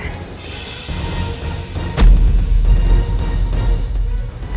semua akan baik baik aja